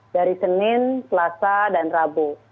dari senin selasa dan rabu